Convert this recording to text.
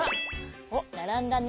おっならんだね。